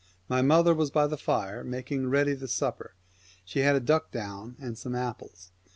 My mother was by the fire, making ready the supper ; she had a duck down and some 206 apples.